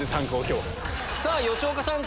さぁ吉岡さん